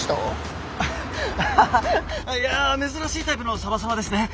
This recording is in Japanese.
アハハいや珍しいタイプのサバサバですね。